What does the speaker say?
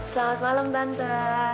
selamat malam tante